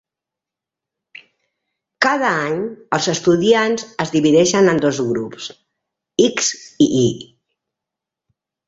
Cada any, els estudiants es divideixen en dos grups, x i y.